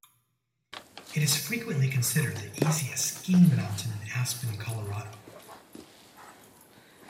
It is frequently considered the easiest skiing mountain in Aspen, Colorado.